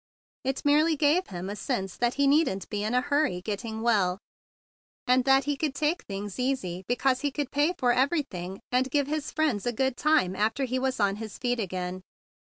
It merely gave him a sense that he needn't be in a hurry get¬ ting well, that he could take things easy because he could pay for everything and give his friends a good time after he was on his feet again.